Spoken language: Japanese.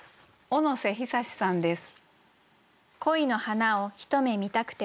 小野瀬壽さんです。